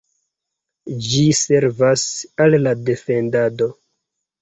Ĝi servas al la defendado.